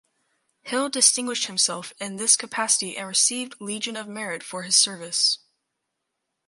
Hill distinguished himself in this capacity and received Legion of Merit for his service.